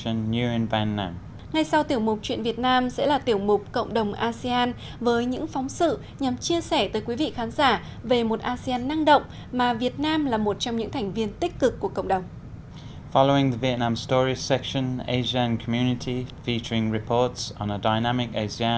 ngay sau tiểu mục chuyện việt nam sẽ là tiểu mục cộng đồng asean với những phóng sự nhằm chia sẻ tới quý vị khán giả về một asean năng động mà việt nam là một trong những thành viên tích cực của cộng đồng